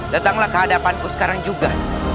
datanglah ke hadapanku sekarang juga